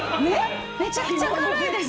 めちゃくちゃ軽いです。